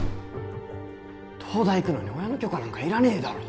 東大行くのに親の許可なんかいらねえだろ！